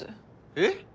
えっ？